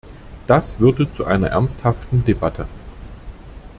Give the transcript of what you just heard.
Das würde zu einer ernsthaften Debatte.